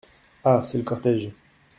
Ah ! c’est le cortège !…